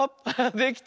できた。